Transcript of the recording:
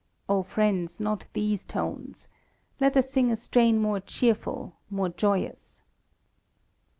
(O friends, not these tones. Let us sing a strain more cheerful, more joyous.)